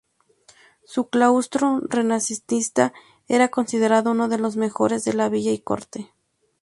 Su claustro renacentista era considerado uno de los mejores de la Villa y Corte.